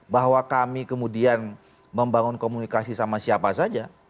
bahwa kami kemudian membangun komunikasi sama siapa saja